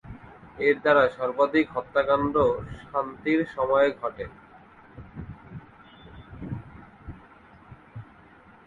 এর দ্বারা সর্বাধিক হত্যাকাণ্ড শান্তির সময়ে ঘটে।